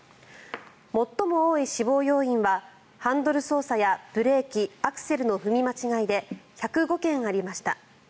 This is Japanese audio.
最も多い死亡要因はハンドル操作やブレーキアクセルの踏み間違いで１０５件ありました。